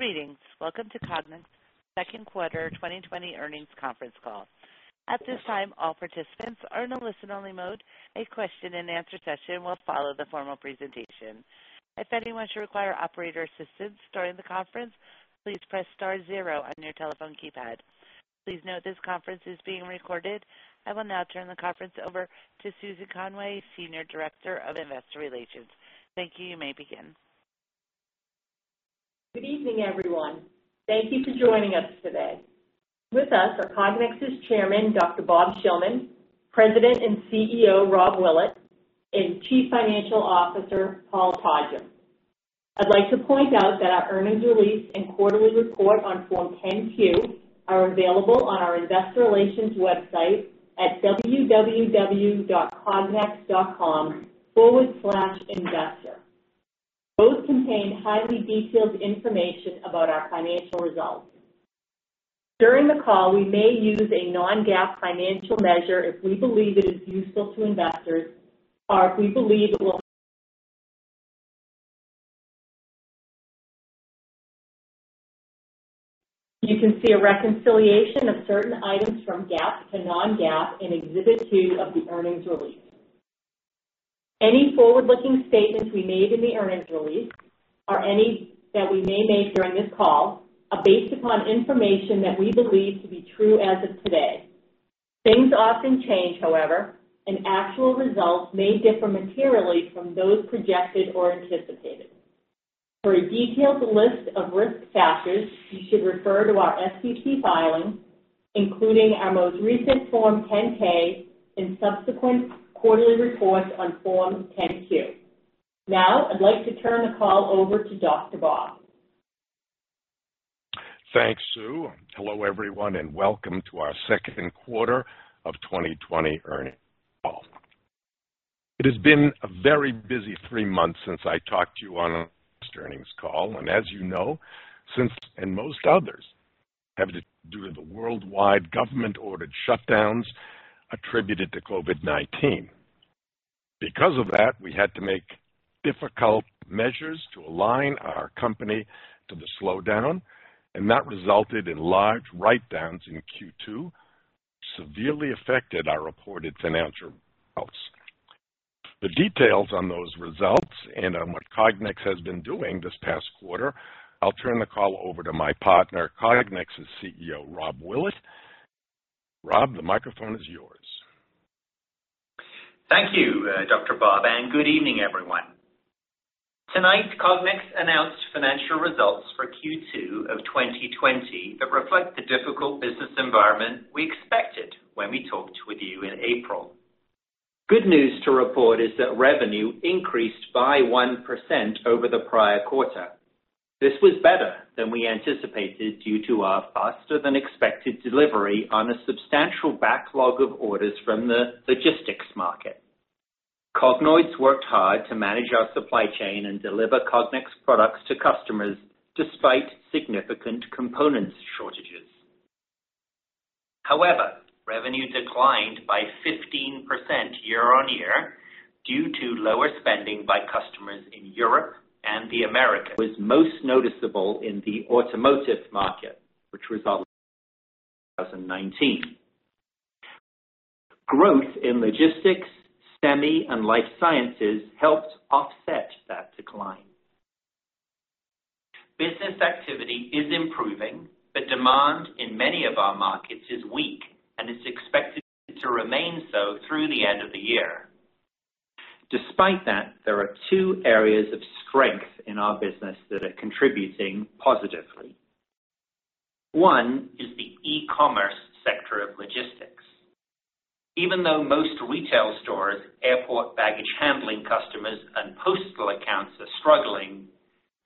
Greetings. Welcome to Cognex second quarter 2020 earnings conference call. At this time, all participants are in a listen-only mode. A question and answer session will follow the formal presentation. If anyone should require operator assistance during the conference, please press star zero on your telephone keypad. Please note this conference is being recorded. I will now turn the conference over to Susan Conway, Senior Director of Investor Relations. Thank you. You may begin. Good evening, everyone. Thank you for joining us today. With us are Cognex's Chairman, Dr. Bob Shillman, President and CEO, Rob Willett, and Chief Financial Officer, Paul Podgurski. I'd like to point out that our earnings release and quarterly report on Form 10-Q are available on our investor relations website at www.cognex.com/investor. Both contain highly detailed information about our financial results. During the call, we may use a non-GAAP financial measure if we believe it is useful to investors. You can see a reconciliation of certain items from GAAP to non-GAAP in Exhibit 2 of the earnings release. Any forward-looking statements we made in the earnings release, or any that we may make during this call, are based upon information that we believe to be true as of today. Things often change, however, and actual results may differ materially from those projected or anticipated. For a detailed list of risk factors, you should refer to our SEC filings, including our most recent Form 10-K and subsequent quarterly reports on Form 10-Q. Now, I'd like to turn the call over to Dr. Bob. Thanks, Sue, hello everyone, and welcome to our second quarter of 2020 earnings call. It has been a very busy three months since I talked to you on our last earnings call. As you know, since, and most others, have to do with the worldwide government-ordered shutdowns attributed to COVID-19. Because of that, we had to make difficult measures to align our company to the slowdown, and that resulted in large write-downs in Q2, which severely affected our reported financial results. The details on those results and on what Cognex has been doing this past quarter, I'll turn the call over to my partner, Cognex's CEO, Rob Willett. Rob, the microphone is yours. Thank you, Dr. Bob, and good evening, everyone. Tonight, Cognex announced financial results for Q2 of 2020 that reflect the difficult business environment we expected when we talked with you in April. Good news to report is that revenue increased by 1% over the prior quarter. This was better than we anticipated due to our faster than expected delivery on a substantial backlog of orders from the logistics market. Cognoids worked hard to manage our supply chain and deliver Cognex products to customers despite significant components shortages. However, revenue declined by 15% year-over-year due to lower spending by customers in Europe and the Americas. It was most noticeable in the automotive market, which resulted in 2019. Growth in logistics, semi, and life sciences helped offset that decline. Business activity is improving. Demand in many of our markets is weak and is expected to remain so through the end of the year. Despite that, there are two areas of strength in our business that are contributing positively. One is the e-commerce sector of logistics. Even though most retail stores, airport baggage handling customers, and postal accounts are struggling,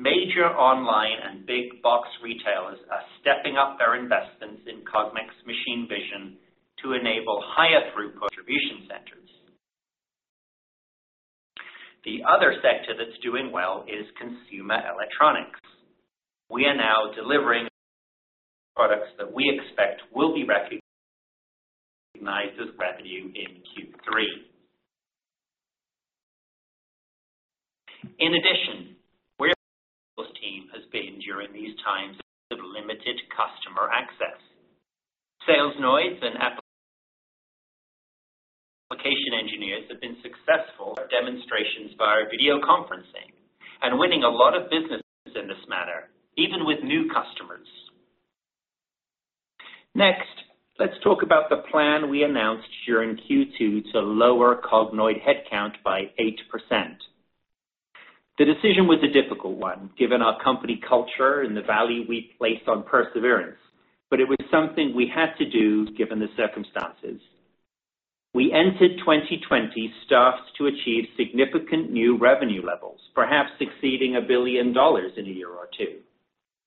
major online and big box retailers are stepping up their investments in Cognex machine vision to enable higher throughput centers. The other sector that's doing well is consumer electronics. We are now delivering products that we expect will be recognized as revenue in Q3. In addition, our team has been during these times of limited customer access. Salesnoids and application engineers have been successful at demonstrations via video conferencing and winning a lot of business in this manner, even with new customers. Let's talk about the plan we announced during Q2 to lower Cognoid headcount by 8%. The decision was a difficult one, given our company culture and the value we place on perseverance, but it was something we had to do given the circumstances. We entered 2020 staffed to achieve significant new revenue levels, perhaps exceeding $1 billion in a year or two.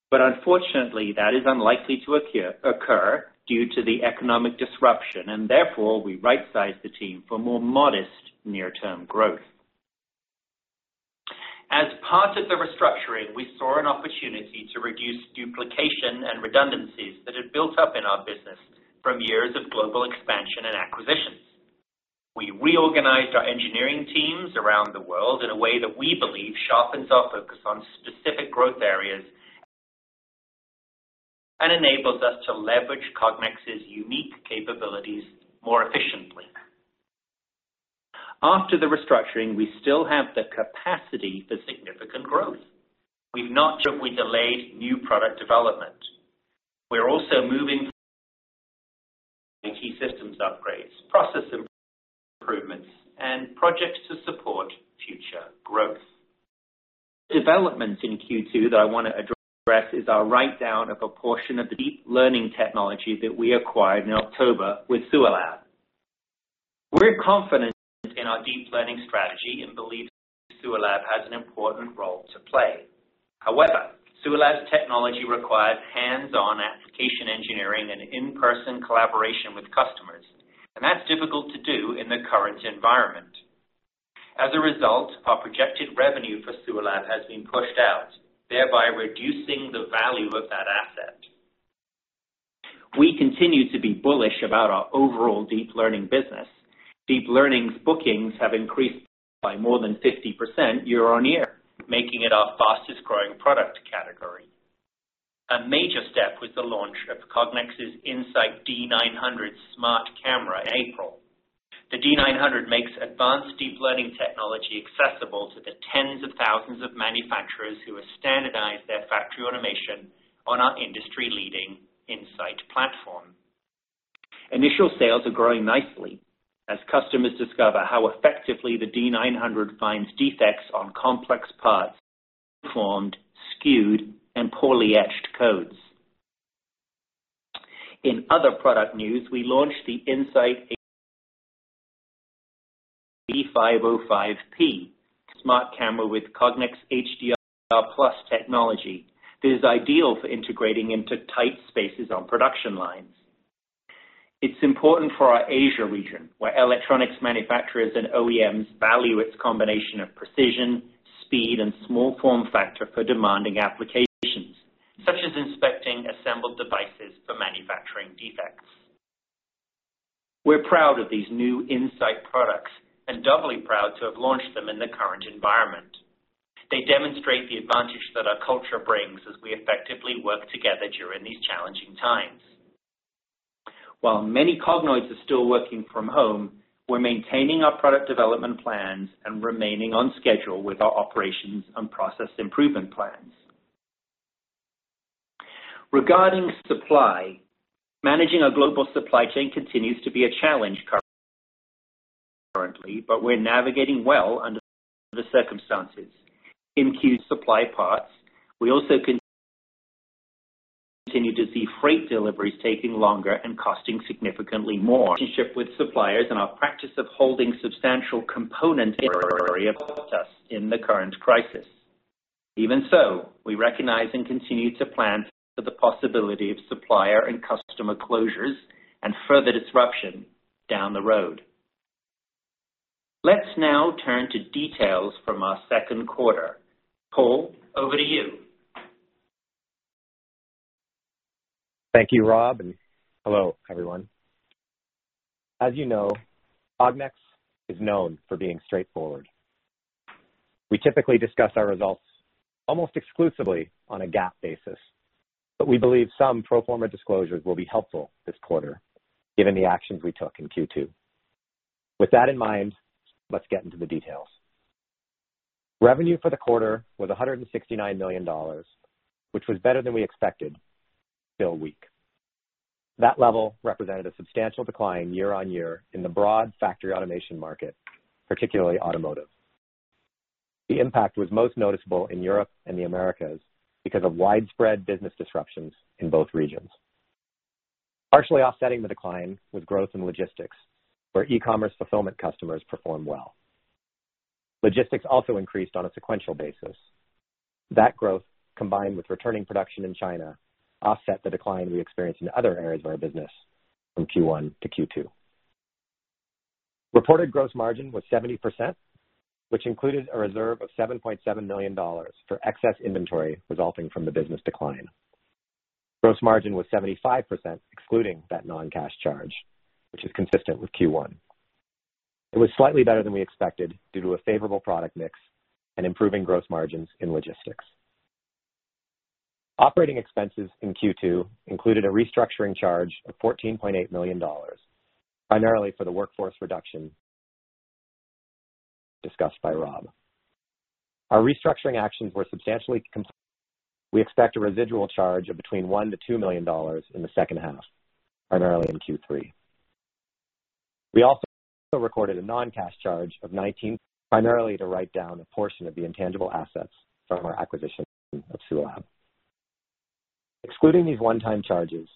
Unfortunately, that is unlikely to occur due to the economic disruption, and therefore, we right-sized the team for more modest near-term growth. As part of the restructuring, we saw an opportunity to reduce duplication and redundancies that had built up in our business from years of global expansion. We reorganized our engineering teams around the world in a way that we believe sharpens our focus on specific growth areas and enables us to leverage Cognex's unique capabilities more efficiently. After the restructuring, we still have the capacity for significant growth. We've not delayed new product development. We're also moving IT systems upgrades, process improvements, and projects to support future growth. The development in Q2 that I want to address is our write-down of a portion of the deep learning technology that we acquired in October with SUALAB. We're confident in our deep learning strategy and believe SUALAB has an important role to play. SUALAB's technology requires hands-on application engineering and in-person collaboration with customers, and that's difficult to do in the current environment. Our projected revenue for SUALAB has been pushed out, thereby reducing the value of that asset. We continue to be bullish about our overall deep learning business. Deep learning's bookings have increased by more than 50% year-over-year, making it our fastest-growing product category. A major step was the launch of Cognex's In-Sight D900 smart camera in April. The D900 makes advanced deep learning technology accessible to the tens of thousands of manufacturers who have standardized their factory automation on our industry-leading In-Sight platform. Initial sales are growing nicely as customers discover how effectively the D900 finds defects on complex parts, malformed, skewed, and poorly etched codes. In other product news, we launched the In-Sight 8505P, a smart camera with Cognex HDR+ technology that is ideal for integrating into tight spaces on production lines. It's important for our Asia region, where electronics manufacturers and OEMs value its combination of precision, speed, and small form factor for demanding applications, such as inspecting assembled devices for manufacturing defects. We're proud of these new In-Sight products and doubly proud to have launched them in the current environment. They demonstrate the advantage that our culture brings as we effectively work together during these challenging times. While many Cognoids are still working from home, we're maintaining our product development plans and remaining on schedule with our operations and process improvement plans. Regarding supply, managing our global supply chain continues to be a challenge currently, but we're navigating well under the circumstances. In Q2 supply parts, we also continue to see freight deliveries taking longer and costing significantly more. Relationship with suppliers and our practice of holding substantial component inventory helped us in the current crisis. Even so, we recognize and continue to plan for the possibility of supplier and customer closures and further disruption down the road. Let's now turn to details from our second quarter. Paul, over to you. Thank you, Rob. Hello, everyone. As you know, Cognex is known for being straightforward. We typically discuss our results almost exclusively on a GAAP basis, but we believe some pro forma disclosures will be helpful this quarter given the actions we took in Q2. With that in mind, let's get into the details. Revenue for the quarter was $169 million, which was better than we expected, but still weak. That level represented a substantial decline year-on-year in the broad factory automation market, particularly automotive. The impact was most noticeable in Europe and the Americas because of widespread business disruptions in both regions. Partially offsetting the decline was growth in logistics, where e-commerce fulfillment customers performed well. Logistics also increased on a sequential basis. That growth, combined with returning production in China, offset the decline we experienced in other areas of our business from Q1-Q2. Reported gross margin was 70%, which included a reserve of $7.7 million for excess inventory resulting from the business decline. Gross margin was 75%, excluding that non-cash charge, which is consistent with Q1. It was slightly better than we expected due to a favorable product mix and improving gross margins in logistics. Operating expenses in Q2 included a restructuring charge of $14.8 million, primarily for the workforce reduction discussed by Rob. Our restructuring actions were substantially complete. We expect a residual charge of between $1 million-$2 million in the second half, primarily in Q3. We also recorded a non-cash charge of $19, primarily to write down a portion of the intangible assets from our acquisition of SUALAB. Excluding these one-time charges,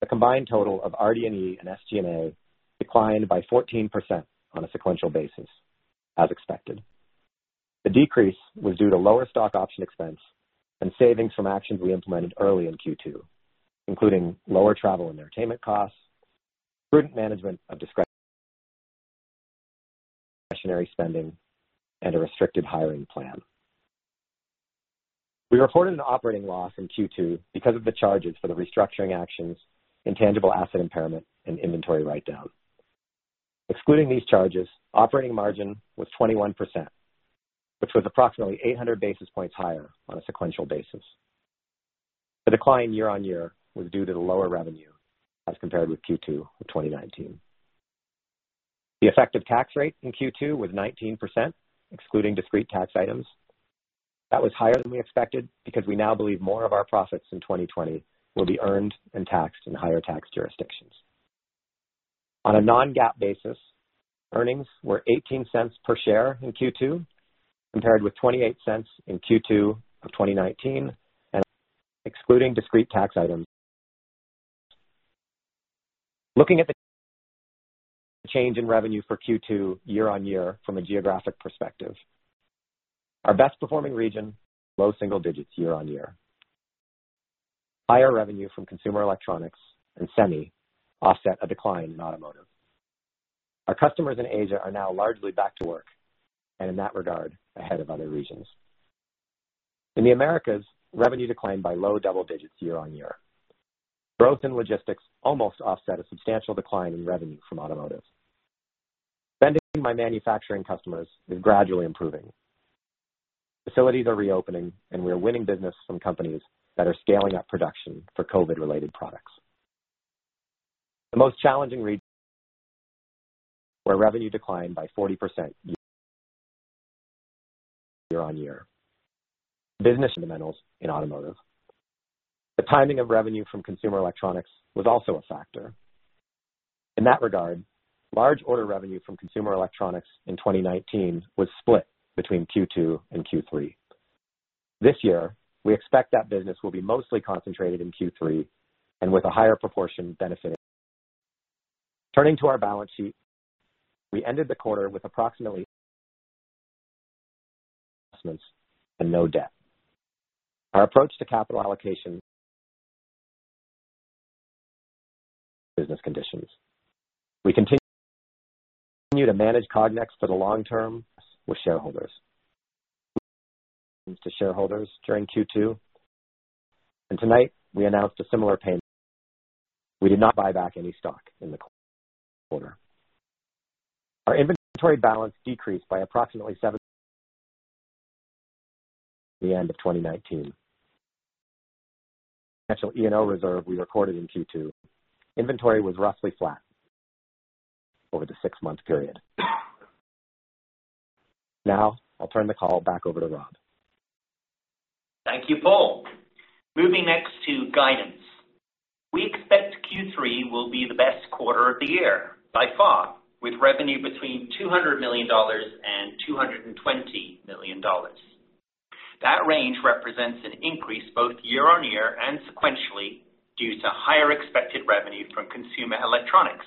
the combined total of RD&E and SG&A declined by 14% on a sequential basis, as expected. The decrease was due to lower stock option expense and savings from actions we implemented early in Q2, including lower travel and entertainment costs, prudent management of discretionary spending, and a restricted hiring plan. We reported an operating loss in Q2 because of the charges for the restructuring actions, intangible asset impairment, and inventory write-down. Excluding these charges, operating margin was 21%, which was approximately 800 basis points higher on a sequential basis. The decline year-on-year was due to the lower revenue as compared with Q2 of 2019. The effective tax rate in Q2 was 19%, excluding discrete tax items. That was higher than we expected because we now believe more of our profits in 2020 will be earned and taxed in higher tax jurisdictions. On a non-GAAP basis, earnings were $0.18 per share in Q2, compared with $0.28 in Q2 of 2019, and excluding discrete tax items. Looking at the change in revenue for Q2 year-on-year from a geographic perspective. Our best performing region, low single digits year-on-year. Higher revenue from consumer electronics and semi offset a decline in automotive. Our customers in Asia are now largely back to work, and in that regard, ahead of other regions. In the Americas, revenue declined by low double digits year-on-year. Growth in logistics almost offset a substantial decline in revenue from automotive. Spending by manufacturing customers is gradually improving. Facilities are reopening, and we are winning business from companies that are scaling up production for COVID-19 related products. The most challenging region where revenue declined by 40% year-on-year. Business fundamentals in automotive. The timing of revenue from consumer electronics was also a factor. In that regard, large order revenue from consumer electronics in 2019 was split between Q2 and Q3. This year, we expect that business will be mostly concentrated in Q3 and with a higher proportion benefiting. Turning to our balance sheet, we ended the quarter with approximately investments and no debt. Our approach to capital allocation business conditions. We continue to manage Cognex for the long term with shareholders. To shareholders during Q2, and tonight we announced a similar payment. We did not buy back any stock in the quarter. Our inventory balance decreased by approximately 70% the end of 2019. Potential E&O reserve we recorded in Q2. Inventory was roughly flat over the six-month period. Now I'll turn the call back over to Rob. Thank you, Paul. Moving next to guidance. We expect Q3 will be the best quarter of the year by far, with revenue between $200 million and $220 million. That range represents an increase both year-on-year and sequentially due to higher expected revenue from consumer electronics,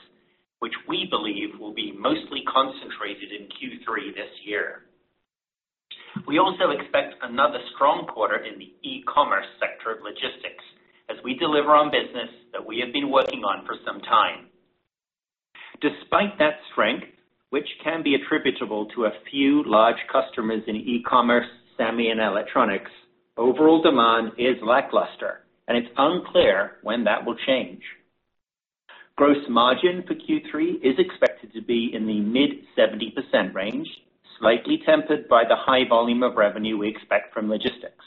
which we believe will be mostly concentrated in Q3 this year. We also expect another strong quarter in the e-commerce sector of logistics as we deliver on business that we have been working on for some time. Despite that strength, which can be attributable to a few large customers in e-commerce, semi, and electronics, overall demand is lackluster, and it's unclear when that will change. Gross margin for Q3 is expected to be in the mid-70% range, slightly tempered by the high volume of revenue we expect from logistics.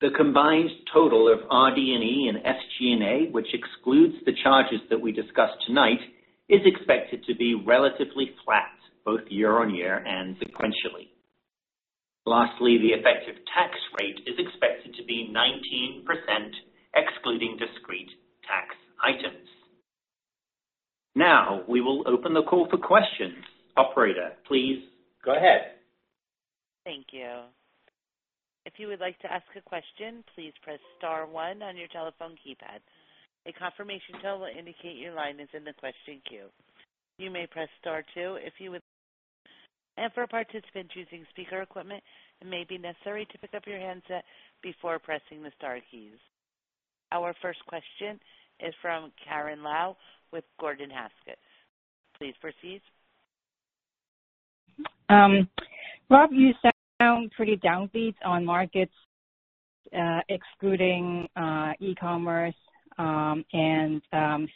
The combined total of RD&E and SG&A, which excludes the charges that we discussed tonight, is expected to be relatively flat both year-on-year and sequentially. Lastly, the effective tax rate is expected to be 19%, excluding discrete tax items. Now, we will open the call for questions. Operator, please go ahead. Thank you. If you would like to ask a question, please press star one on your telephone keypad. A confirmation tone will indicate your line is in the question queue. You may press star two. For a participant using speaker equipment, it may be necessary to pick up your handset before pressing the star keys. Our first question is from Karen Lau with Gordon Haskett. Please proceed. Rob, you sound pretty downbeat on markets excluding e-commerce and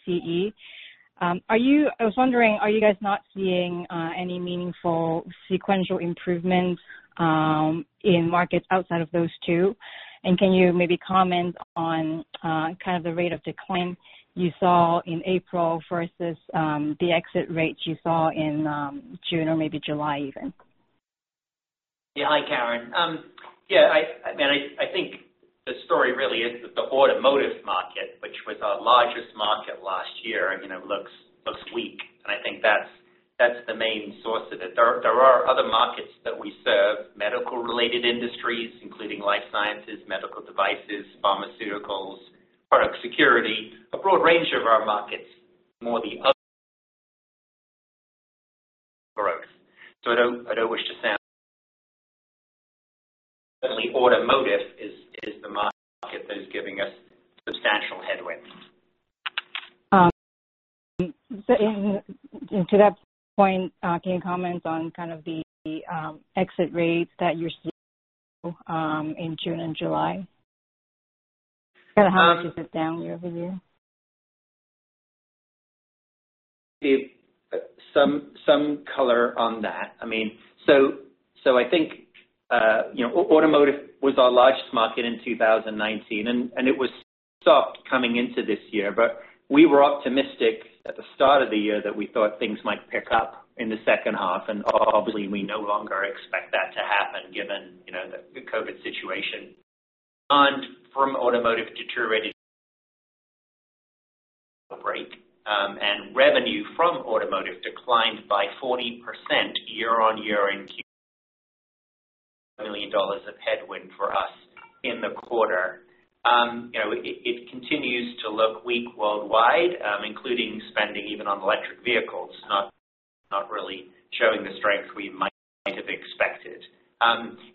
CE. I was wondering, are you guys not seeing any meaningful sequential improvements in markets outside of those two? Can you maybe comment on kind of the rate of decline you saw in April versus the exit rates you saw in June or maybe July even? Yeah. Hi, Karen. Yeah, I think the story really is that the automotive market, which was our largest market last year, looks weak, and I think that's the main source of it. There are other markets that we serve, medical-related industries, including life sciences, medical devices, pharmaceuticals, product security, a broad range of our markets, more the other growth. Certainly automotive is the market that is giving us. To that point, can you comment on kind of the exit rates that you're seeing in June and July? Um- Kind of how much is it down year-over-year? Some color on that. I think automotive was our largest market in 2019, and it was soft coming into this year. We were optimistic at the start of the year that we thought things might pick up in the second half, and obviously, we no longer expect that to happen given the COVID-19 situation. From automotive deteriorated break, and revenue from automotive declined by 40% year-over-year in so it's roughly $25 million of headwind for us in the quarter. It continues to look weak worldwide, including spending even on electric vehicles, not really showing the strength we might have expected.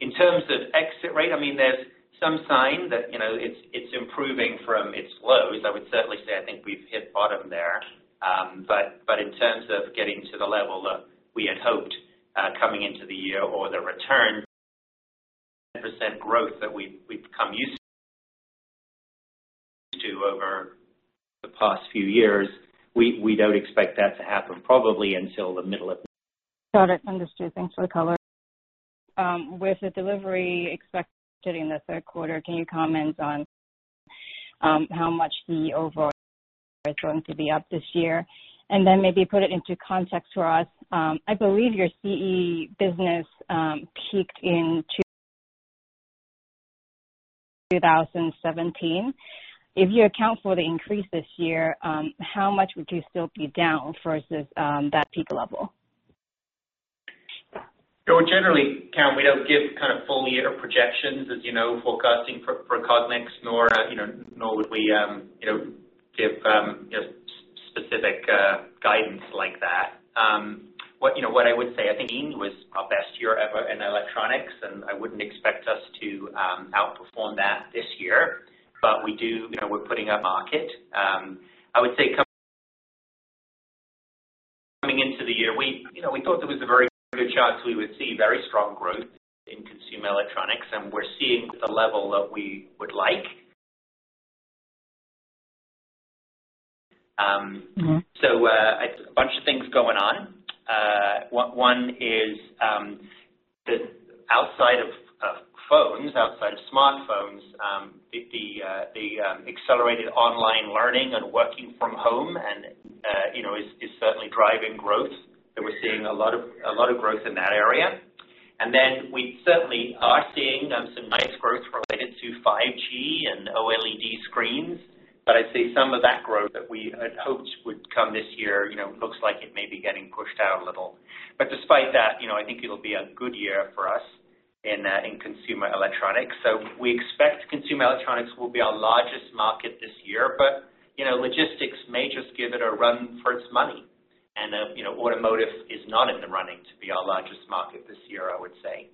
In terms of exit rate, there's some sign that it's improving from its lows. I would certainly say I think we've hit bottom there. In terms of getting to the level that we had hoped coming into the year or the return percent growth that we've come used to over the past few years, we don't expect that to happen probably until the middle. Got it. Understood. Thanks for the color. With the delivery expected in the third quarter, can you comment on how much the overall is going to be up this year? Maybe put it into context for us. I believe your CE business peaked in 2017. If you account for the increase this year, how much would you still be down versus that peak level? Generally, Karen, we don't give kind of full year projections, as you know, forecasting for Cognex nor would we give specific guidance like that. What I would say, I think 2018 was our best year ever in electronics, and I wouldn't expect us to outperform that this year. We're putting up market. I would say, coming into the year, we thought there was a very good chance we would see very strong growth in consumer electronics, and we're seeing the level that we would like. It's a bunch of things going on. One is that outside of phones, outside of smartphones, the accelerated online learning and working from home is certainly driving growth. We're seeing a lot of growth in that area. Then we certainly are seeing some nice growth related to 5G and OLED screens. I'd say some of that growth that we had hoped would come this year looks like it may be getting pushed out a little. Despite that, I think it'll be a good year for us in consumer electronics. We expect consumer electronics will be our largest market this year, but logistics may just give it a run for its money. Automotive is not in the running to be our largest market this year, I would say.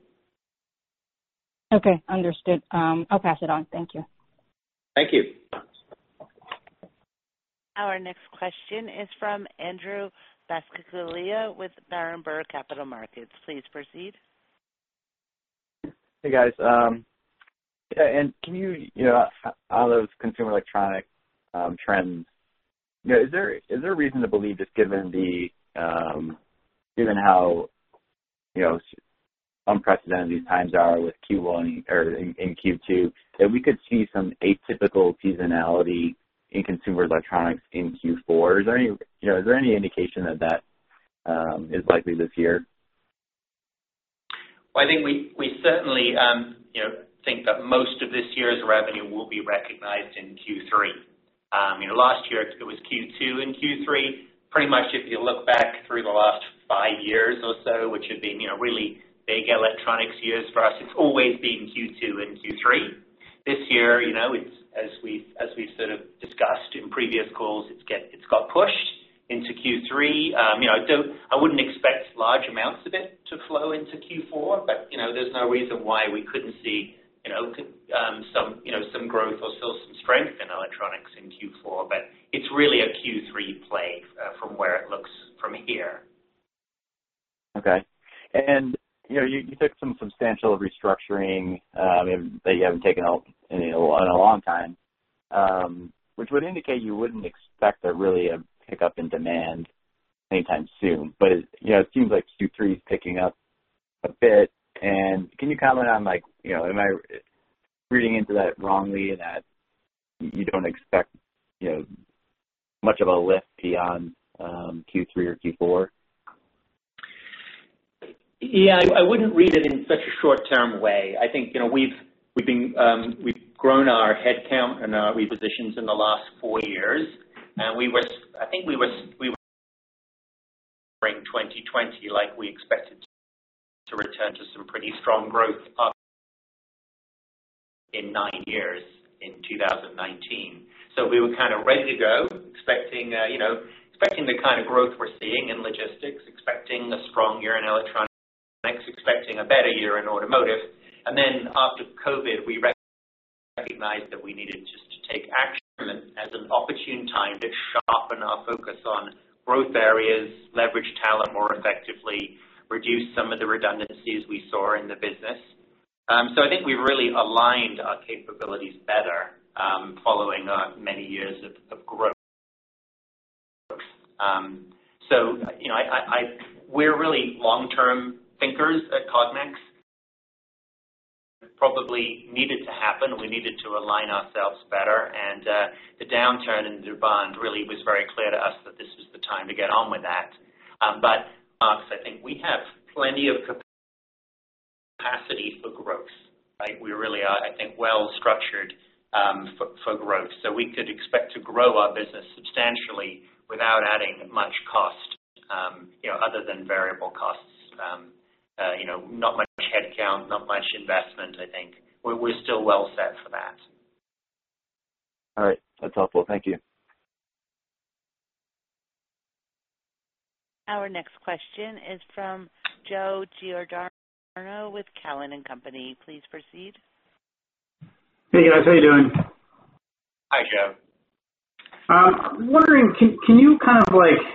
Okay, understood. I'll pass it on. Thank you. Thank you. Our next question is from Andrew Buscaglia with Berenberg Capital Markets. Please proceed. Hey, guys. Yeah. All those consumer electronic trends, is there reason to believe just given how unprecedented these times are with Q1 or in Q2, that we could see some atypical seasonality in consumer electronics in Q4? Is there any indication that that is likely this year? Well, I think we certainly think that most of this year's revenue will be recognized in Q3. Last year it was Q2 and Q3. Pretty much if you look back through the last five years or so, which have been really big electronics years for us, it's always been Q2 and Q3. This year, as we've sort of discussed in previous calls, it's got pushed into Q3. There's no reason why we couldn't see some growth or still some strength in electronics in Q4. It's really a Q3 play from where it looks from here. Okay. You took some substantial restructuring that you haven't taken in a long time, which would indicate you wouldn't expect really a pickup in demand anytime soon. It seems like Q3 is picking up a bit, and can you comment on like, am I reading into that wrongly that you don't expect much of a lift beyond Q3 or Q4? Yeah, I wouldn't read it in such a short-term way. I think we've grown our headcount and our positions in the last four years, and I think we were spring 2020 like we expected to return to some pretty strong growth up in nine years in 2019. We were kind of ready to go, expecting the kind of growth we're seeing in logistics, expecting a strong year in electronics expecting a better year in automotive. After COVID-19, we recognized that we needed just to take action as an opportune time to sharpen our focus on growth areas, leverage talent more effectively, reduce some of the redundancies we saw in the business. I think we've really aligned our capabilities better, following our many years of growth. We're really long-term thinkers at Cognex. Probably needed to happen. We needed to align ourselves better. The downturn in demand really was very clear to us that this was the time to get on with that. Mark, I think we have plenty of capacity for growth, right? We really are, I think, well structured for growth. We could expect to grow our business substantially without adding much cost, other than variable costs. Not much headcount, not much investment, I think. We're still well set for that. All right. That's helpful. Thank you. Our next question is from Joe Giordano with Cowen and Company. Please proceed. Hey, guys. How you doing? Hi, Joe. I'm wondering, can you kind of like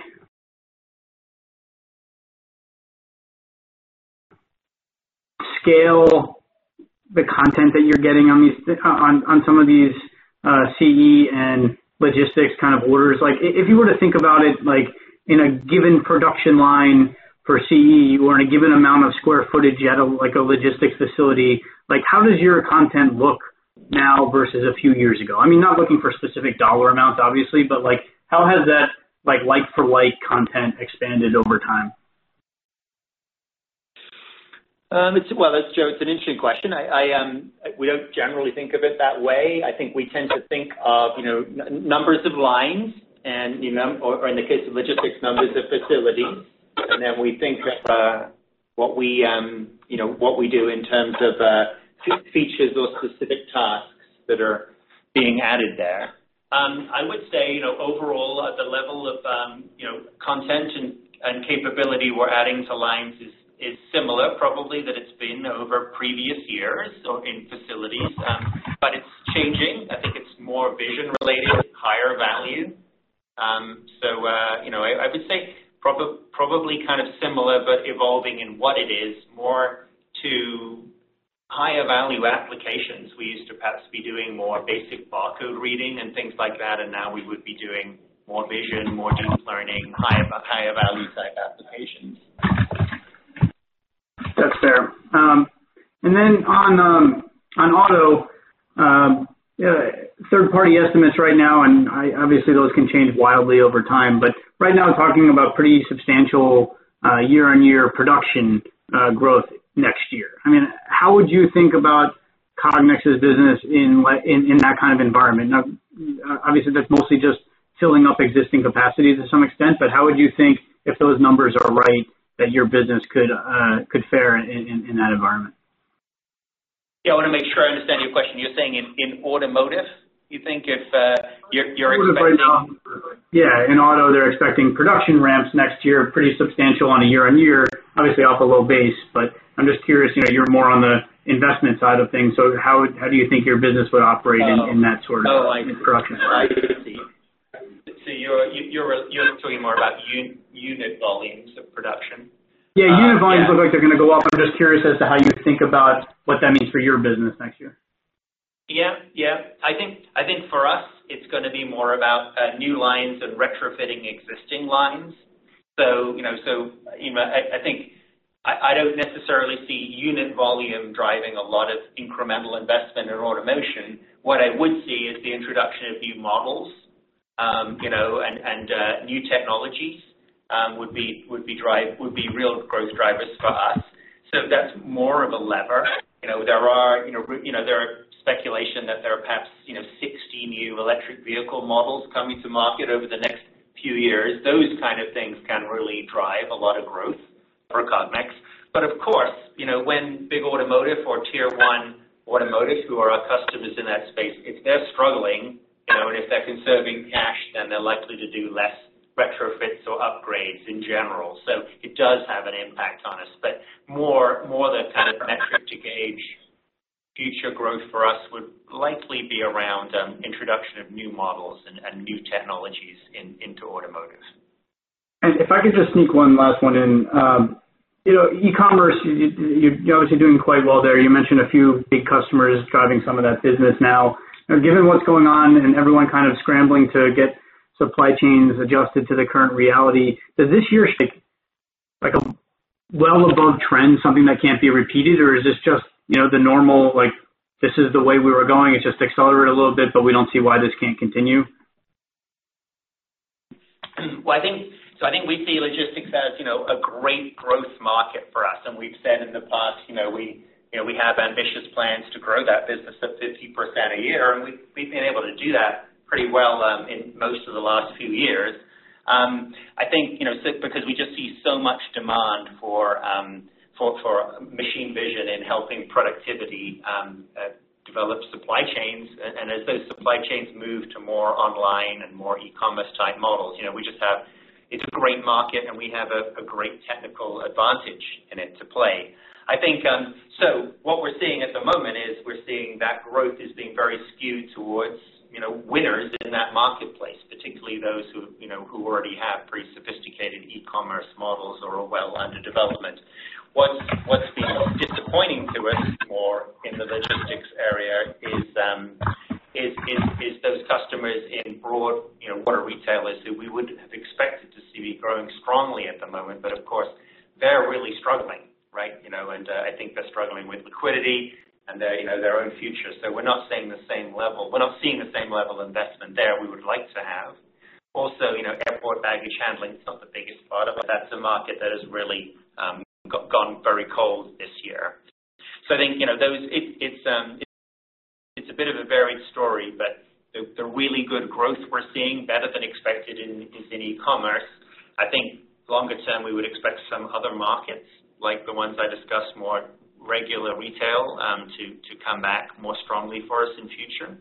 scale the content that you're getting on some of these CE and logistics kind of orders? If you were to think about it, in a given production line for CE, or in a given amount of square footage, you had a logistics facility. How does your content look now versus a few years ago? I'm not looking for specific dollar amounts, obviously, but how has that like for like content expanded over time? Joe, it's an interesting question. We don't generally think of it that way. I think we tend to think of numbers of lines or in the case of logistics, numbers of facilities. We think of what we do in terms of features or specific tasks that are being added there. I would say, overall, the level of content and capability we're adding to lines is similar probably that it's been over previous years or in facilities. It's changing. I think it's more vision related, higher value. I would say probably kind of similar, but evolving in what it is more to higher value applications. We used to perhaps be doing more basic barcode reading and things like that, and now we would be doing more vision, more deep learning, higher value type applications. That's fair. Then on auto, third party estimates right now, and obviously those can change wildly over time, but right now talking about pretty substantial year-over-year production growth next year. How would you think about Cognex's business in that kind of environment? Obviously, that's mostly just filling up existing capacities to some extent, but how would you think, if those numbers are right, that your business could fare in that environment? Yeah, I want to make sure I understand your question. You're saying in automotive, you think if you're expecting? Yeah. In auto, they're expecting production ramps next year, pretty substantial on a year-on-year, obviously off a low base. I'm just curious, you're more on the investment side of things. How do you think your business would operate in that sort of production? Oh, I see. You're talking more about unit volumes of production? Yeah. Unit volumes look like they're going to go up. I'm just curious as to how you think about what that means for your business next year. Yeah. I think for us, it's going to be more about new lines and retrofitting existing lines. I think I don't necessarily see unit volume driving a lot of incremental investment in automation. What I would see is the introduction of new models, and new technologies would be real growth drivers for us. That's more of a lever. There are speculation that there are perhaps 60 new electric vehicle models coming to market over the next few years. Those kind of things can really drive a lot of growth for Cognex. Of course, when big automotive or tier 1 automotive, who are our customers in that space, if they're struggling, and if they're conserving cash, then they're likely to do less retrofits or upgrades in general. It does have an impact on us, but more the kind of metric to gauge future growth for us would likely be around introduction of new models and new technologies into automotive. If I could just sneak one last one in. e-commerce, you're obviously doing quite well there. You mentioned a few big customers driving some of that business now. Given what's going on and everyone kind of scrambling to get supply chains adjusted to the current reality, does this year shape like a well above trend, something that can't be repeated? Is this just the normal, this is the way we were going, it just accelerated a little bit, but we don't see why this can't continue? I think we see logistics as a great growth market for us. We've said in the past we have ambitious plans to grow that business at 50% a year, and we've been able to do that pretty well in most of the last few years. I think, because we just see so much demand for machine vision in helping productivity develop supply chains. As those supply chains move to more online and more e-commerce type models, it's a great market, and we have a great technical advantage in it to play. What we're seeing at the moment is, we're seeing that growth is being very skewed towards winners in that marketplace, particularly those who already have pretty sophisticated e-commerce models or are well under development. What's been disappointing to us more in the logistics area is those customers in what are retailers who we would have expected to see growing strongly at the moment, of course, they're really struggling, right? I think they're struggling with liquidity and their own future. We're not seeing the same level of investment there we would like to have. Also, airport baggage handling is not the biggest part, but that's a market that has really gone very cold this year. I think it's a bit of a varied story, but the really good growth we're seeing, better than expected in e-commerce. I think longer term, we would expect some other markets, like the ones I discussed, more regular retail, to come back more strongly for us in future.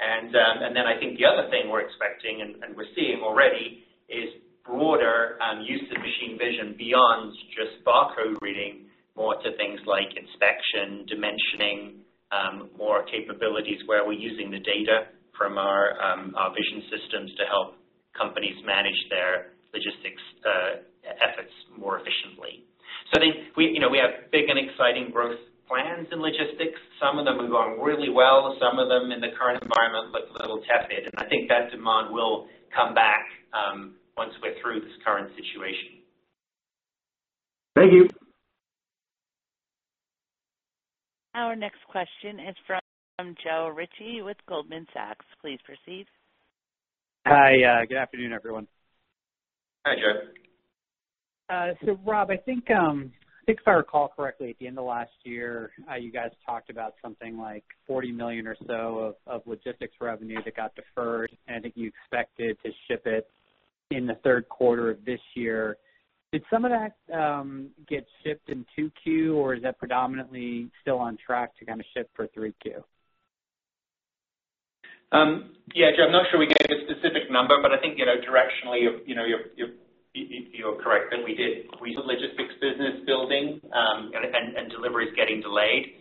I think the other thing we're expecting, and we're seeing already, is broader use of machine vision beyond just barcode reading, more to things like inspection, dimensioning, more capabilities where we're using the data from our vision systems to help companies manage their logistics efforts more efficiently. I think we have big and exciting growth plans in logistics. Some of them are going really well, some of them in the current environment look a little tepid, I think that demand will come back once we're through this current situation. Thank you. Our next question is from Joe Ritchie with Goldman Sachs. Please proceed. Hi. Good afternoon, everyone. Hi, Joe. Rob, I think if I recall correctly, at the end of last year, you guys talked about something like $40 million or so of logistics revenue that got deferred, and I think you expected to ship it in the third quarter of this year. Did some of that get shipped in Q2, or is that predominantly still on track to kind of ship for Q3? Yeah, Joe, I'm not sure we gave a specific number, but I think directionally, you're correct that we saw logistics business building, and deliveries getting delayed.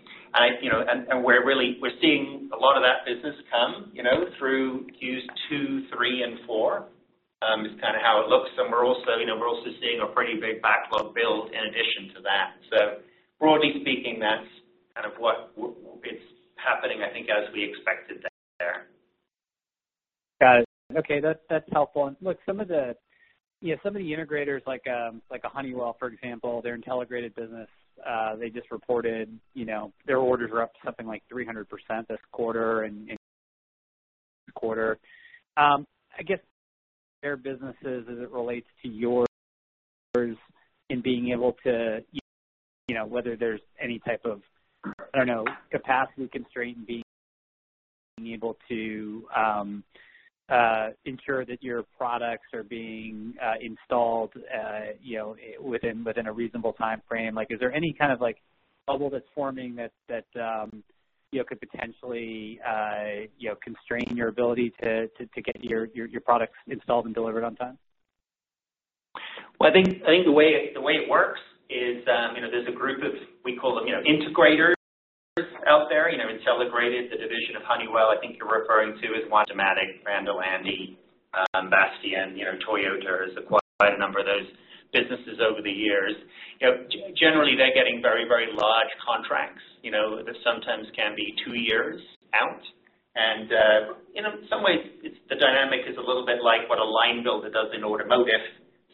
We're seeing a lot of that business come through Q2, Q3, and Q4. Is kind of how it looks. We're also seeing a pretty big backlog build in addition to that. Broadly speaking, that's kind of what is happening, I think, as we expected there. Got it. Okay. That's helpful. Look, some of the integrators like a Honeywell, for example, their Intelligrated business, they just reported their orders are up something like 300% this quarter. I guess their businesses as it relates to yours in being able to, whether there's any type of, I don't know, capacity constraint in being able to ensure that your products are being installed within a reasonable timeframe. Is there any kind of bubble that's forming that could potentially constrain your ability to get your products installed and delivered on time? Well, I think the way it works is, there's a group of, we call them, integrators out there. Intelligrated, the division of Honeywell, I think you're referring to, is one. Dematic, Vanderlande, Bastian, Toyota has acquired a number of those businesses over the years. Generally, they're getting very, very large contracts that sometimes can be two years out. In some ways, the dynamic is a little bit like what a line builder does in automotive.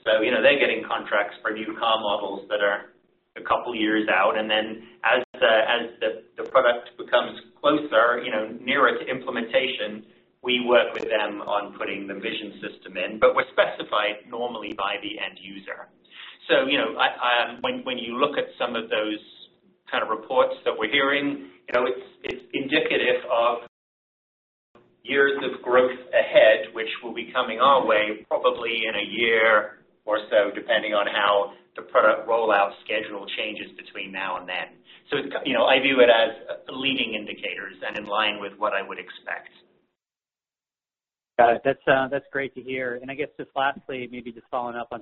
They're getting contracts for new car models that are a couple years out, and then as the product becomes closer nearer to implementation, we work with them on putting the vision system in. We're specified normally by the end user. When you look at some of those kind of reports that we're hearing, it's indicative of years of growth ahead, which will be coming our way probably in a year or so, depending on how the product rollout schedule changes between now and then. I view it as leading indicators and in line with what I would expect. Got it. That's great to hear. I guess just lastly, maybe just following up on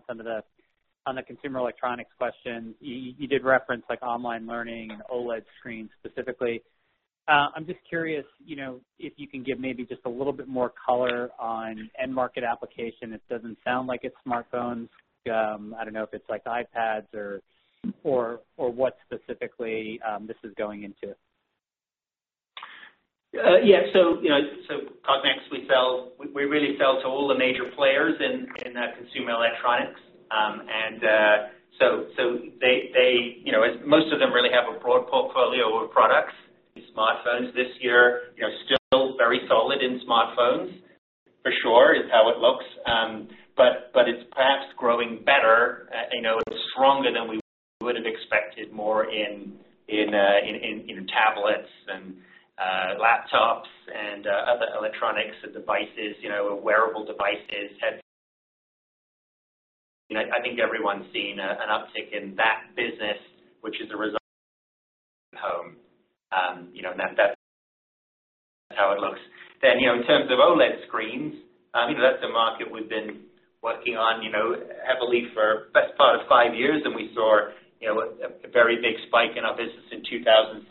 the consumer electronics question. You did reference online learning and OLED screens specifically. I'm just curious if you can give maybe just a little bit more color on end market application. It doesn't sound like it's smartphones. I don't know if it's iPads or what specifically this is going into. Yeah. Cognex, we really sell to all the major players in consumer electronics. Most of them really have a broad portfolio of products. Smartphones this year, still very solid in smartphones for sure is how it looks. It's perhaps growing better, stronger than we would have expected more in tablets and laptops and other electronics and devices, wearable devices. I think everyone's seen an uptick in that business, which is a result of staying at home. That's how it looks. In terms of OLED screens, that's a market we've been working on heavily for the best part of five years, and we saw a very big spike in our business in 2017.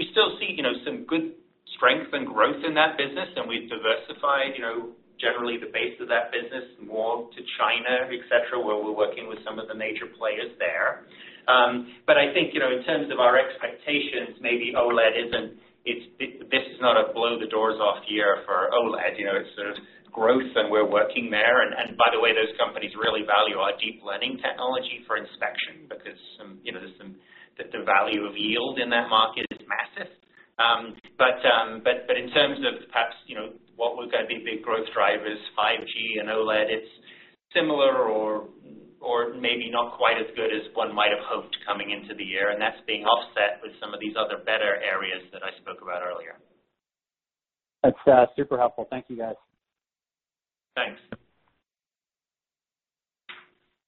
We still see some good strength and growth in that business, and we've diversified generally the base of that business more to China, et cetera, where we're working with some of the major players there. I think, in terms of our expectations, maybe OLED, this is not a blow the doors off year for OLED. It's a growth, we're working there. By the way, those companies really value our deep learning technology for inspection because the value of yield in that market is massive. In terms of perhaps what was going to be big growth drivers, 5G and OLED, it's similar or maybe not quite as good as one might have hoped coming into the year, and that's being offset with some of these other better areas that I spoke about earlier. That's super helpful. Thank you, guys. Thanks.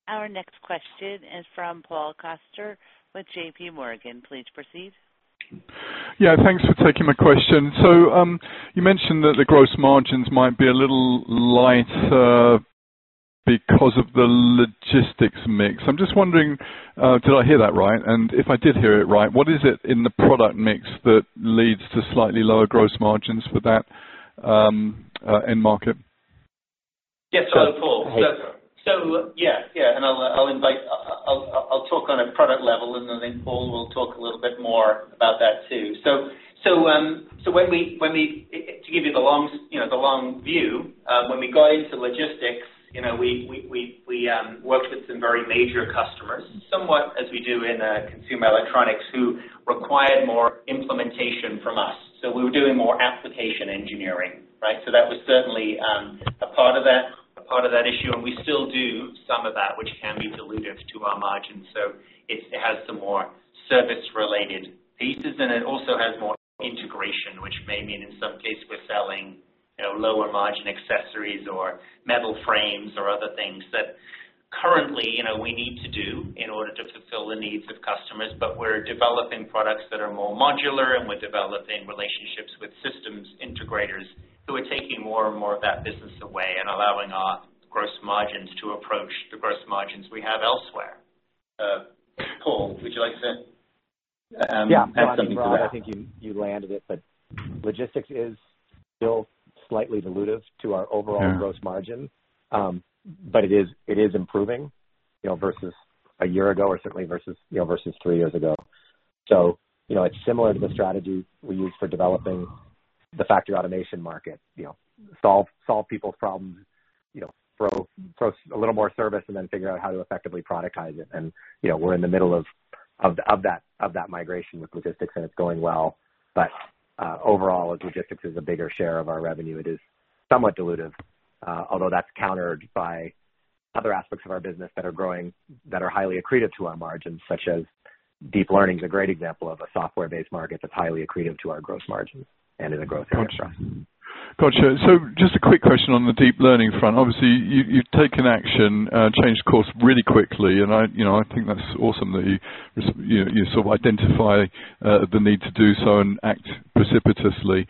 Our next question is from Paul Coster with JPMorgan. Please proceed. Yeah, thanks for taking my question. You mentioned that the gross margins might be a little lighter because of the logistics mix. I'm just wondering, did I hear that right? If I did hear it right, what is it in the product mix that leads to slightly lower gross margins for that end market? Yes, Paul. I'll talk on a product level, and then I think Paul will talk a little bit more about that, too. To give you the long view, when we got into logistics, we worked with some very major customers, somewhat as we do in consumer electronics, who required more implementation from us. We were doing more application engineering, right? That was certainly a part of that issue, and we still do some of that, which can be dilutive to our margins. It has some more service-related pieces, and it also has more integration, which may mean, in some cases, we're selling lower margin accessories or metal frames or other things that currently, we need to do in order to fulfill the needs of customers. We're developing products that are more modular, and we're developing relationships with systems integrators who are taking more and more of that business away and allowing our gross margins to approach the gross margins we have elsewhere. Paul, would you like to add something to that? Yeah. Rob, I think you landed it, logistics is still slightly dilutive to our overall gross margin. It is improving versus a year ago or certainly versus three years ago. It's similar to the strategy we use for developing the factory automation market. Solve people's problems, throw a little more service, then figure out how to effectively productize it. We're in the middle of that migration with logistics, and it's going well. Overall, as logistics is a bigger share of our revenue, it is somewhat dilutive. Although that's countered by other aspects of our business that are growing, that are highly accretive to our margins, such as deep learning is a great example of a software-based market that's highly accretive to our gross margin and in a growth industry. Gotcha. Just a quick question on the deep learning front. Obviously, you've taken action, changed course really quickly, and I think that's awesome that you sort of identify the need to do so and act precipitously.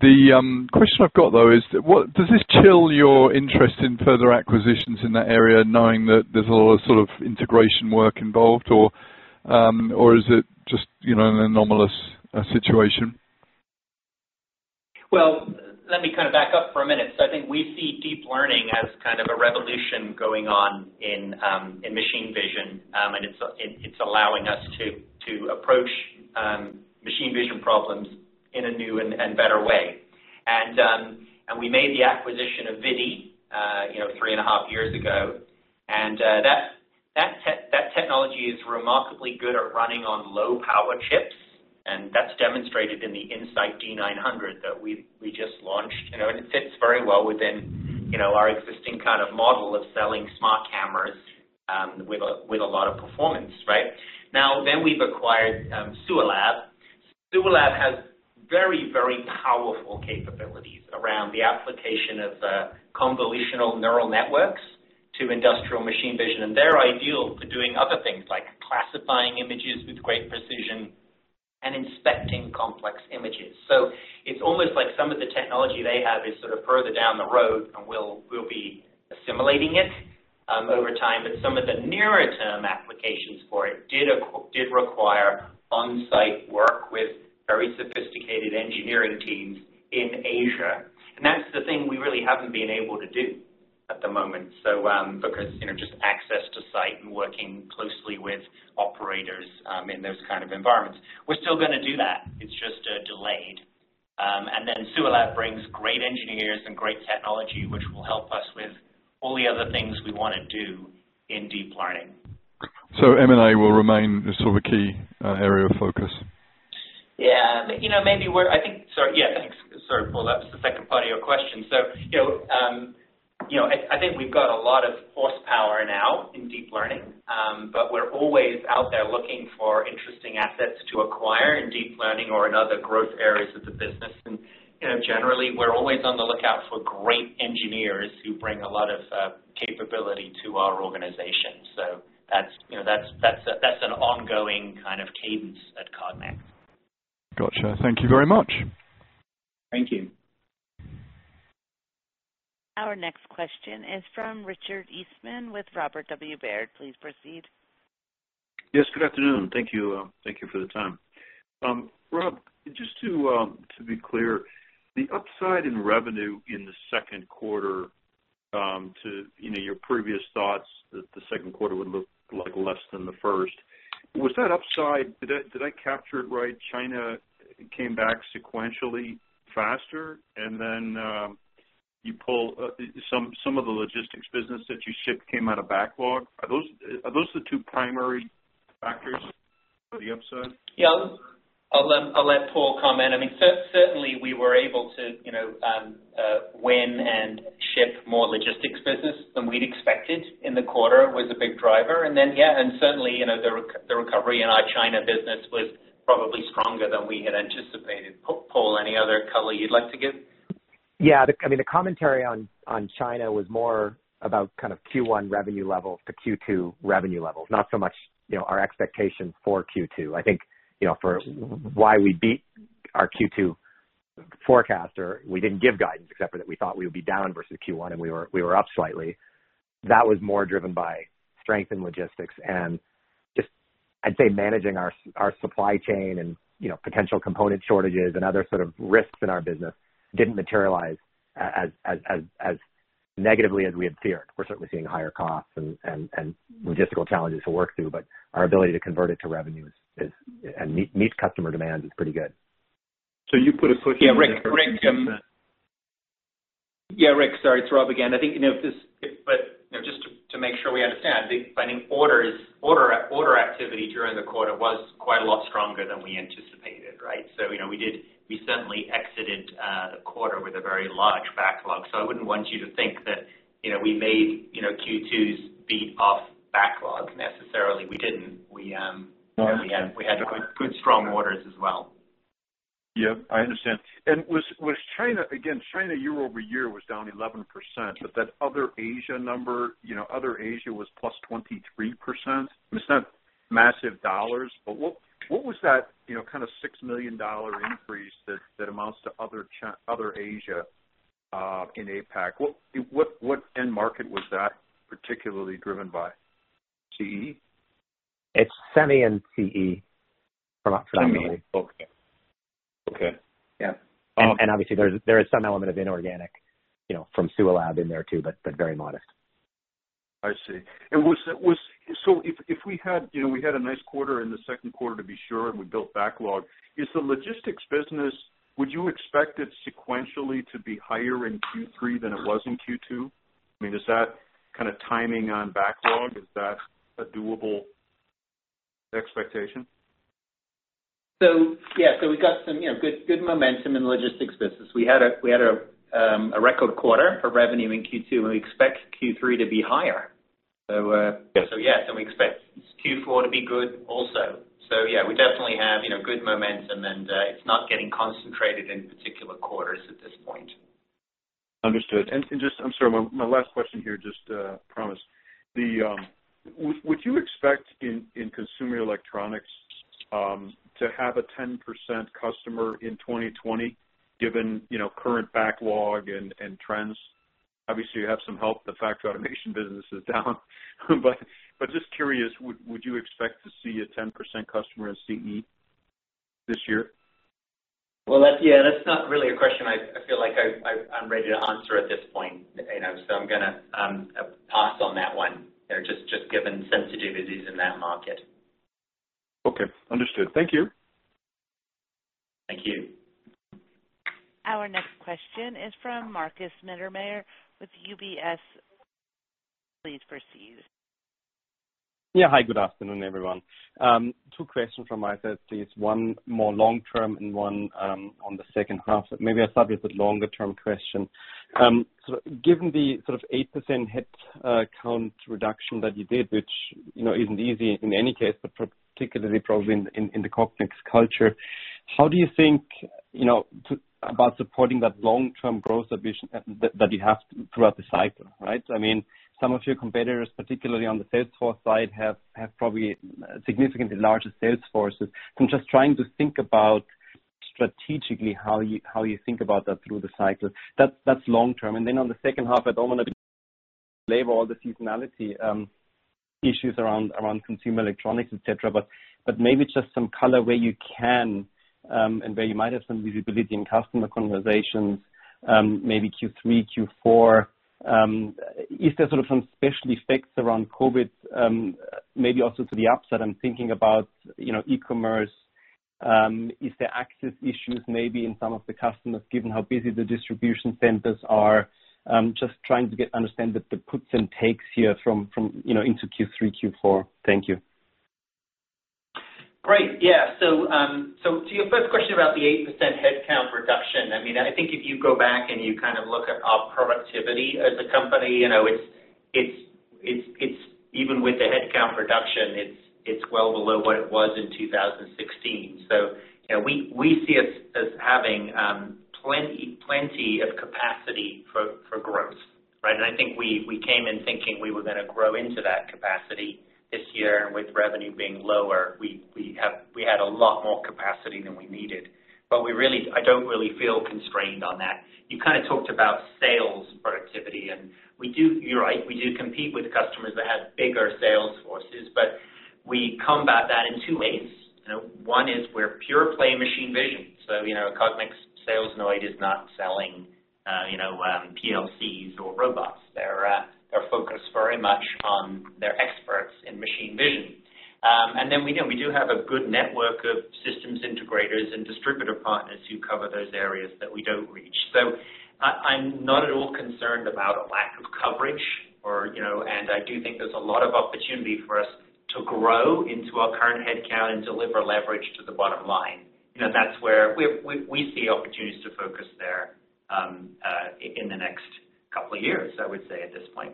The question I've got, though, is does this chill your interest in further acquisitions in that area, knowing that there's a lot of sort of integration work involved? Is it just an anomalous situation? Well, let me kind of back up for a minute. I think we see deep learning as kind of a revolution going on in machine vision, and it's allowing us to approach machine vision problems in a new and better way. We made the acquisition of ViDi 3.5 years ago, and that technology is remarkably good at running on low-power chips, and that's demonstrated in the In-Sight D900 that we just launched. It fits very well within our existing kind of model of selling smart cameras with a lot of performance, right? Now, we've acquired SUALAB. SUALAB has very powerful capabilities around the application of convolutional neural networks to industrial machine vision, and they're ideal for doing other things like classifying images with great precision and inspecting complex images. It's almost like some of the technology they have is sort of further down the road, and we'll be assimilating it over time. Some of the nearer term applications for it did require on-site work with very sophisticated engineering teams in Asia. That's the thing we really haven't been able to do at the moment because just access to site and working closely with operators in those kind of environments. We're still going to do that. It's just delayed. SUALAB brings great engineers and great technology, which will help us with all the other things we want to do in deep learning. M&A will remain a sort of key area of focus? Yeah. Sorry, Paul, that was the second part of your question. I think we've got a lot of horsepower- deep learning. We're always out there looking for interesting assets to acquire in deep learning or in other growth areas of the business. Generally, we're always on the lookout for great engineers who bring a lot of capability to our organization. That's an ongoing kind of cadence at Cognex. Got you. Thank you very much. Thank you. Our next question is from Richard Eastman with Robert W. Baird. Please proceed. Yes. Good afternoon. Thank you for the time. Rob, just to be clear, the upside in revenue in the second quarter to your previous thoughts that the second quarter would look like less than the first, was that upside, did I capture it right? China came back sequentially faster, and then you pull some of the logistics business that you shipped came out of backlog. Are those the two primary factors for the upside? Yeah. I'll let Paul comment. Certainly, we were able to win and ship more logistics business than we'd expected in the quarter, was a big driver. Yeah, certainly, the recovery in our China business was probably stronger than we had anticipated. Paul, any other color you'd like to give? Yeah. The commentary on China was more about Q1 revenue levels to Q2 revenue levels, not so much our expectation for Q2. I think, for why we beat our Q2 forecast, or we didn't give guidance except for that we thought we would be down versus Q1, and we were up slightly. That was more driven by strength in logistics and just, I'd say, managing our supply chain and potential component shortages and other sort of risks in our business didn't materialize as negatively as we had feared. We're certainly seeing higher costs and logistical challenges to work through, but our ability to convert it to revenue and meet customer demand is pretty good. You put a cushion in there of 10%? Yeah, Rick. Sorry, it's Rob again. I think, just to make sure we understand, deep learning orders, order activity during the quarter was quite a lot stronger than we anticipated, right? We certainly exited the quarter with a very large backlog. I wouldn't want you to think that we made Q2's beat off backlog necessarily. We didn't. No, I understand. We had good, strong orders as well. Yep, I understand. Again, China year-over-year was down 11%, but that other Asia number, other Asia was +23%. It's not massive dollars, what was that kind of $6 million increase that amounts to other Asia, in APAC? What end market was that particularly driven by? CE? It's semi and CE, from that meeting. Semi. Okay. Yeah. Obviously, there is some element of inorganic from SUALAB in there, too, but very modest. I see. If we had a nice quarter in the second quarter to be sure, and we built backlog, is the logistics business, would you expect it sequentially to be higher in Q3 than it was in Q2? Is that kind of timing on backlog? Is that a doable expectation? Yeah. We got some good momentum in the logistics business. We had a record quarter for revenue in Q2, and we expect Q3 to be higher. Yeah. Yeah, so we expect Q4 to be good also. Yeah, we definitely have good momentum, and it's not getting concentrated in particular quarters at this point. Understood. I'm sorry, my last question here, just promise. Would you expect in consumer electronics to have a 10% customer in 2020 given current backlog and trends? Obviously, you have some help. The factory automation business is down. Just curious, would you expect to see a 10% customer in CE this year? Well, that's not really a question I feel like I'm ready to answer at this point. I'm going to pass on that one there, just given sensitivities in that market. Okay. Understood. Thank you. Thank you. Our next question is from Markus Mittermaier with UBS. Please proceed. Yeah. Hi, good afternoon, everyone. Two questions from my side, please. One more long-term and one on the second half. Maybe I'll start with the longer-term question. Given the sort of 8% headcount reduction that you did, which isn't easy in any case, but particularly probably in the Cognex culture, how do you think about supporting that long-term growth ambition that you have throughout the cycle? Right? Some of your competitors, particularly on the sales force side, have probably significantly larger sales forces. I'm just trying to think about strategically how you think about that through the cycle. That's long term. On the second half, I don't want to belabor all the seasonality issues around consumer electronics, et cetera, but maybe just some color where you can, and where you might have some visibility in customer conversations, maybe Q3, Q4. Is there sort of some special effects around COVID? Maybe also to the upside, I'm thinking about e-commerce. Is there access issues maybe in some of the customers given how busy the distribution centers are? Just trying to understand the puts and takes here into Q3, Q4. Thank you. Great. Yeah. To your first question about the 8% headcount reduction, I think if you go back and you look at our productivity as a company, even with the headcount reduction, it's well below what it was in 2016. We see us as having plenty of capacity for growth, right? I think we came in thinking we were going to grow into that capacity this year. With revenue being lower, we had a lot more capacity than we needed. I don't really feel constrained on that. You kind of talked about sales productivity, and you're right, we do compete with customers that have bigger sales forces, but we combat that in two ways. One is we're pure-play machine vision. A Cognex Salesnoid is not selling PLCs or robots. They're focused very much on their experts in machine vision. Then we do have a good network of systems integrators and distributor partners who cover those areas that we don't reach. I'm not at all concerned about a lack of coverage, and I do think there's a lot of opportunity for us to grow into our current headcount and deliver leverage to the bottom line. That's where we see opportunities to focus there, in the next couple of years, I would say at this point.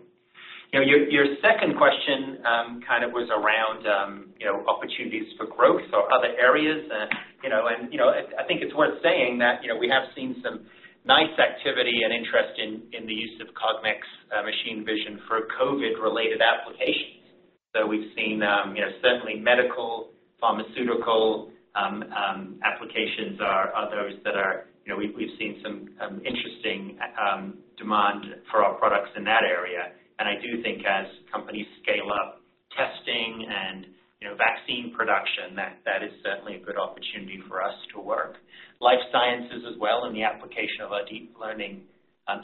Your second question kind of was around opportunities for growth or other areas. I think it's worth saying that we have seen some nice activity and interest in the use of Cognex machine vision for COVID-related applications. We've seen certainly medical, pharmaceutical applications are others that we've seen some interesting demand for our products in that area. I do think as companies scale up testing and vaccine production, that is certainly a good opportunity for us to work. Life sciences as well, and the application of our deep learning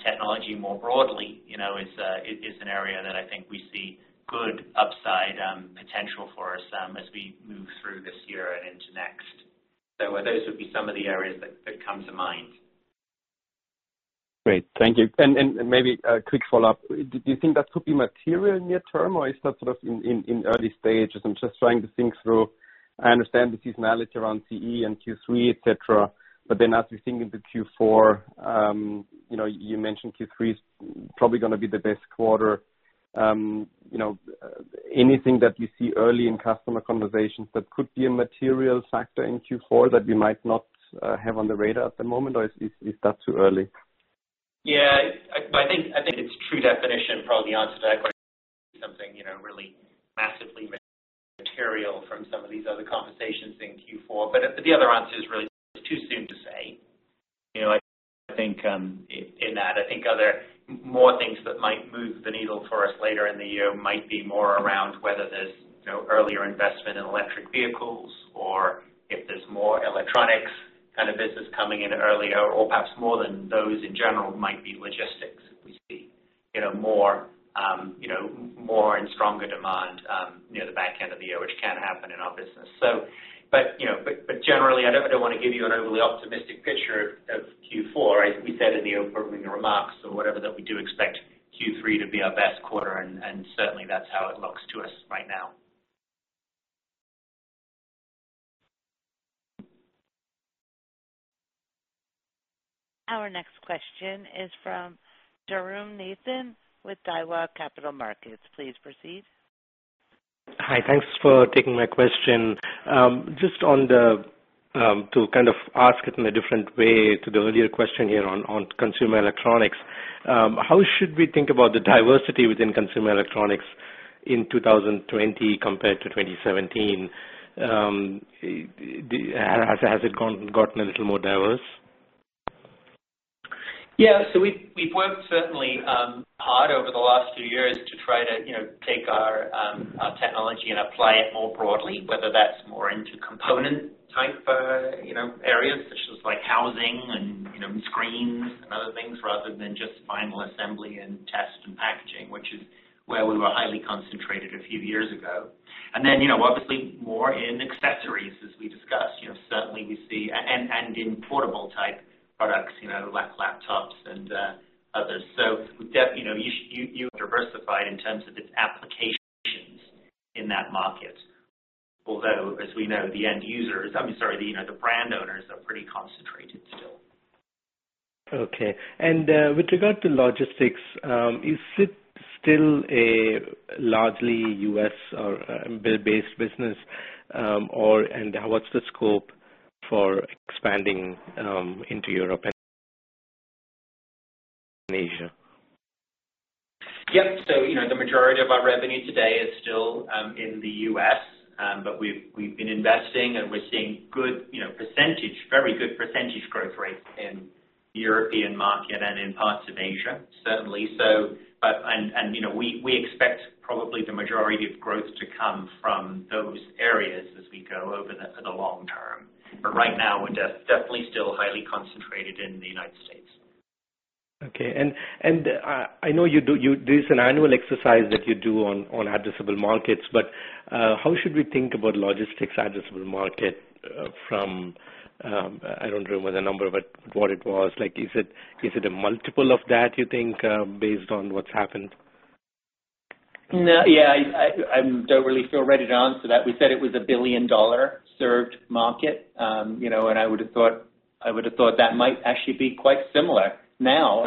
technology more broadly is an area that I think we see good upside potential for us as we move through this year and into next. Those would be some of the areas that come to mind. Great. Thank you. Maybe a quick follow-up. Do you think that could be material near term, or is that sort of in early stages? I'm just trying to think through. I understand the seasonality around CE and Q3, et cetera, but then as we think into Q4, you mentioned Q3 is probably going to be the best quarter. Anything that you see early in customer conversations that could be a material factor in Q4 that we might not have on the radar at the moment, or is that too early? Yeah. I think it's true definition, probably the answer to that question, something really massively material from some of these other conversations in Q4. The other answer is really it's too soon to say. I think in that, I think other more things that might move the needle for us later in the year might be more around whether there's earlier investment in electric vehicles or if there's more electronics kind of business coming in earlier, or perhaps more than those in general might be logistics that we see more and stronger demand near the back end of the year, which can happen in our business. Generally, I don't want to give you an overly optimistic picture of Q4. I think we said in the opening remarks or whatever, that we do expect Q3 to be our best quarter, and certainly, that's how it looks to us right now. Our next question is from Jairam Nathan with Daiwa Capital Markets. Please proceed. Hi. Thanks for taking my question. Just to kind of ask it in a different way to the earlier question here on consumer electronics, how should we think about the diversity within consumer electronics in 2020 compared to 2017? Has it gotten a little more diverse? We've worked certainly hard over the last few years to try to take our technology and apply it more broadly, whether that's more into component type areas such as housing and screens and other things rather than just final assembly and test and packaging, which is where we were highly concentrated a few years ago. Obviously more in accessories as we discussed, and in portable type products like laptops and others. You diversified in terms of its applications in that market. As we know, the end users, I'm sorry, the brand owners are pretty concentrated still. Okay. With regard to logistics, is it still a largely U.S. or OEM-based business? What's the scope for expanding into Europe and Asia? Yep. The majority of our revenue today is still in the U.S. We've been investing, and we're seeing very good percentage growth rates in the European market and in parts of Asia, certainly. We expect probably the majority of growth to come from those areas as we go over the long term. Right now, we're definitely still highly concentrated in the United States. Okay. I know there's an annual exercise that you do on addressable markets, but how should we think about logistics addressable market from, I don't remember the number, but what it was. Is it a multiple of that, you think, based on what's happened? No. Yeah, I don't really feel ready to answer that. We said it was a billion-dollar served market, and I would have thought that might actually be quite similar now.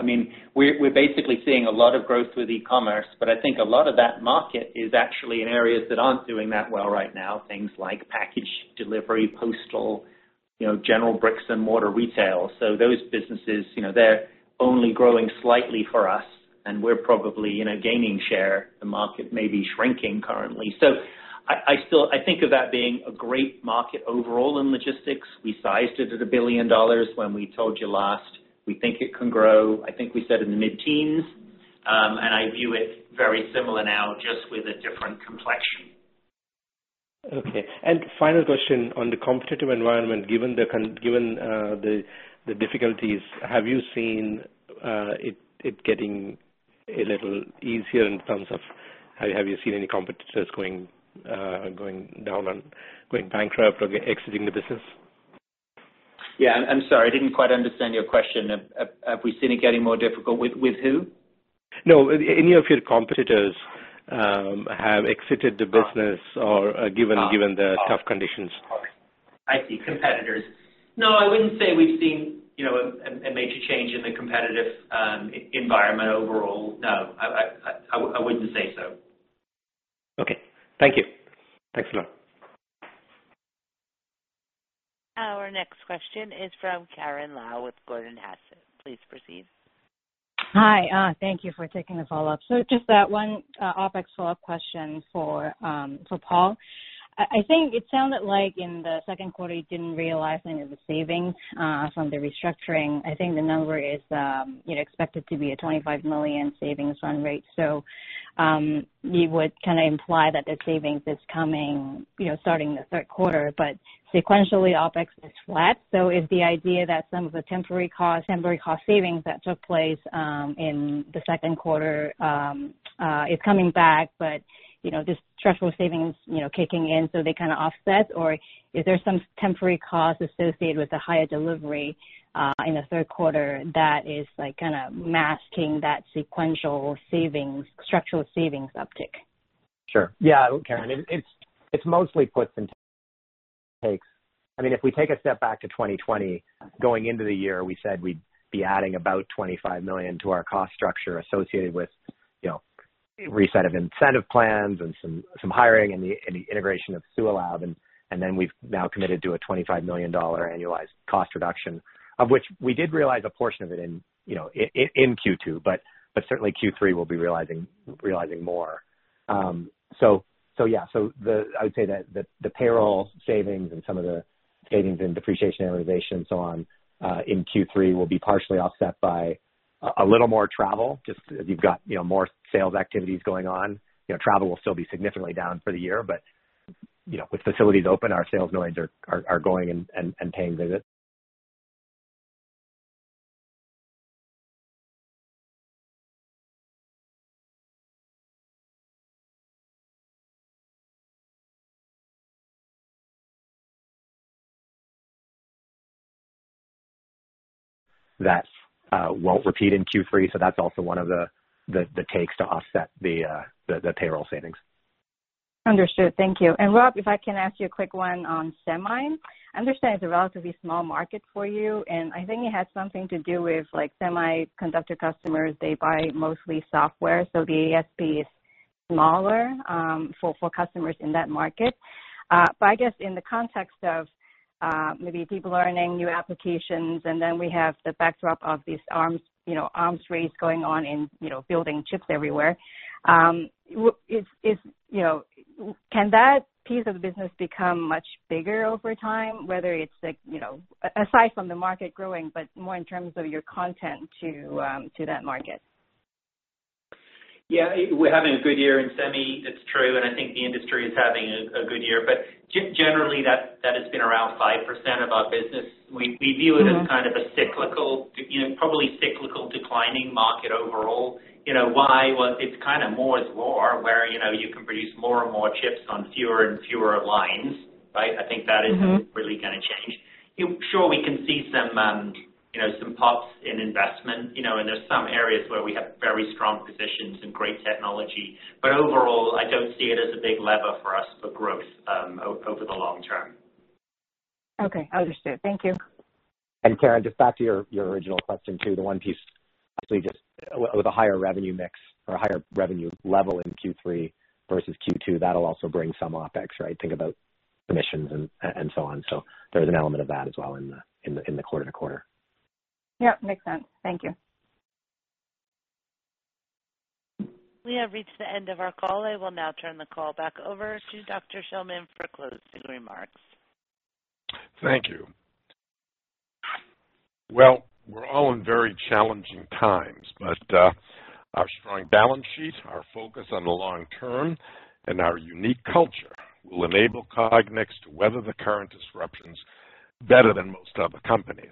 We're basically seeing a lot of growth with e-commerce, but I think a lot of that market is actually in areas that aren't doing that well right now, things like package delivery, postal, general bricks and mortar retail. Those businesses, they're only growing slightly for us, and we're probably gaining share. The market may be shrinking currently. I think of that being a great market overall in logistics. We sized it at $1 billion when we told you last. We think it can grow, I think we said in the mid-teens. I view it very similar now, just with a different complexion. Okay. Final question on the competitive environment, given the difficulties, have you seen it getting a little easier in terms of have you seen any competitors going down and going bankrupt or exiting the business? Yeah. I'm sorry, I didn't quite understand your question. Have we seen it getting more difficult with who? No, any of your competitors have exited the business or given the tough conditions? I see. Competitors. I wouldn't say we've seen a major change in the competitive environment overall. I wouldn't say so. Okay. Thank you. Thanks a lot. Our next question is from Karen Lau with Gordon Haskett. Please proceed. Hi. Thank you for taking the follow-up. Just that one OpEx follow-up question for Paul. I think it sounded like in the second quarter, you didn't realize any of the savings from the restructuring. I think the number is expected to be a $25 million savings run rate. You would kind of imply that the savings is coming starting the third quarter, but sequentially, OpEx is flat. Is the idea that some of the temporary cost savings that took place in the second quarter is coming back, but these structural savings kicking in, so they kind of offset? Is there some temporary cost associated with the higher delivery in the third quarter that is kind of masking that sequential structural savings uptick? Sure. Yeah, Karen, it's mostly puts and takes. If we take a step back to 2020, going into the year, we said we'd be adding about $25 million to our cost structure associated with reset of incentive plans and some hiring and the integration of SUALAB. We've now committed to a $25 million annualized cost reduction, of which we did realize a portion of it in Q2, certainly Q3, we'll be realizing more. Yeah. I would say that the payroll savings and some of the savings and depreciation, amortization, so on in Q3 will be partially offset by a little more travel, just as you've got more sales activities going on. Travel will still be significantly down for the year, but with facilities open, our sales guys are going and paying visits. That won't repeat in Q3, so that's also one of the takes to offset the payroll savings. Understood. Thank you. Rob, if I can ask you a quick one on semi. I understand it's a relatively small market for you, and I think it has something to do with semiconductor customers, they buy mostly software, so the ASP is smaller for customers in that market. I guess in the context of maybe people learning new applications, we have the backdrop of this arms race going on in building chips everywhere. Can that piece of the business become much bigger over time, whether it's aside from the market growing, but more in terms of your content to that market? We're having a good year in semi, it's true, and I think the industry is having a good year. Generally, that has been around 5% of our business. We view it as kind of a cyclical, probably cyclical declining market overall. Why? Well, it's kind of Moore's Law, where you can produce more and more chips on fewer and fewer lines, right? I think that isn't really going to change. Sure, we can see some pops in investment, and there's some areas where we have very strong positions and great technology, but overall, I don't see it as a big lever for us for growth over the long term. Okay, understood. Thank you. Karen, just back to your original question, too, the one piece, I believe just with a higher revenue mix or a higher revenue level in Q3 versus Q2, that'll also bring some OpEx, right? Think about commissions and so on. There's an element of that as well in the quarter to quarter. Yep, makes sense. Thank you. We have reached the end of our call. I will now turn the call back over to Dr. Shillman for closing remarks. Thank you. Well, we're all in very challenging times, but our strong balance sheet, our focus on the long term, and our unique culture will enable Cognex to weather the current disruptions better than most other companies.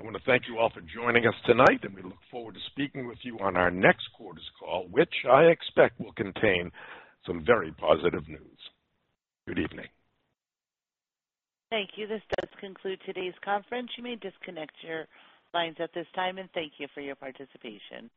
I want to thank you all for joining us tonight, and we look forward to speaking with you on our next quarter's call, which I expect will contain some very positive news. Good evening. Thank you. This does conclude today's conference. You may disconnect your lines at this time, and thank you for your participation.